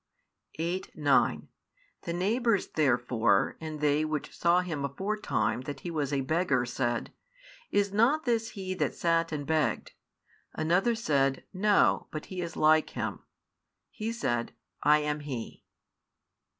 8, 9 The neighbours therefore, and they which saw him aforetime that he was a beggar, said, Is not this he that sat and begged? Another said, No, but he is like him. He said, I am he.